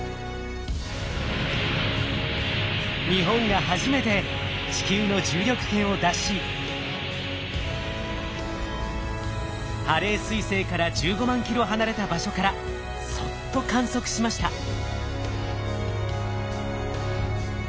日本が初めて地球の重力圏を脱しハレー彗星から１５万キロ離れた場所からそっと観測しました。